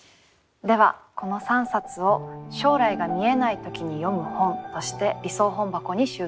ではこの３冊を「将来が見えないときに読む本」として理想本箱に収蔵します。